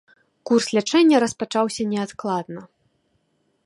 Курс лячэння распачаўся неадкладна.